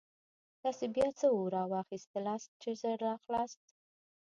تاسې بیا څه اورا واخیستلاست چې ژر راغلاست.